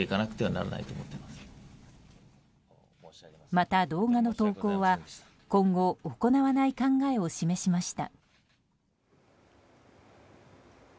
また動画の投稿は、今後行わない考えを示しました。